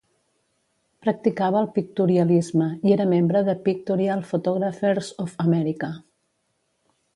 Practicava el pictorialisme i era membre de Pictorial Photographers of America.